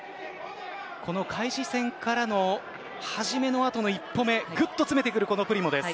この開始線からの初めの後の一歩目ぐっと詰めてくるプリモです。